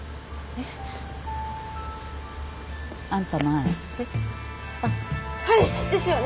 えあっはいですよね！